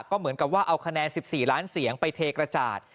ก็เหมือนกับว่าเอาคะแนน๑๔ล้านเสียงไปเทกระจาด